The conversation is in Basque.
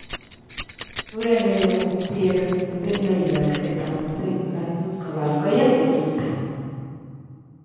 Euren leiho guztiek burdin-leihoak eta burdin landuzko balkoiak dituzte.